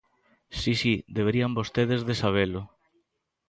Si, si, deberían vostedes de sabelo.